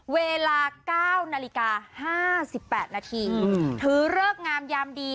เวลาเก้านาฬิกาห้าสิบแปดนาที